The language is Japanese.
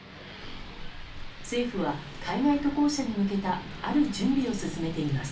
政府は海外渡航者に向けたある準備を進めています。